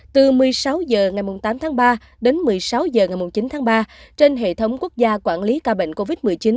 từ một mươi sáu h ngày tám tháng ba đến một mươi sáu h ngày chín tháng ba trên hệ thống quốc gia quản lý ca bệnh covid một mươi chín